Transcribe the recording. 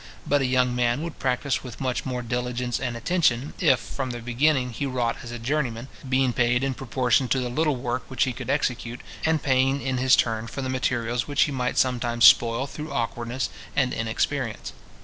But a young man would practice with much more diligence and attention, if from the beginning he wrought as a journeyman, being paid in proportion to the little work which he could execute, and paying in his turn for the materials which he might sometimes spoil through awkwardness and inexperience.